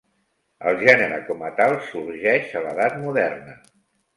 El gènere com a tal sorgeix a l'Edat Moderna.